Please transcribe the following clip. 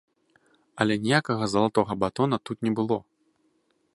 Але ніякага залатога батона тут не было!